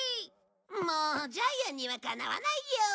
もうジャイアンにはかなわないよ。